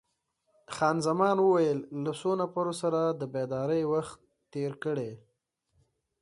خان زمان وویل: له څو نفرو سره د بېدارۍ وخت تیر کړی؟